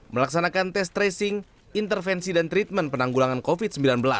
melaksanakan tes tracing intervensi dan treatment penanggulangan covid sembilan belas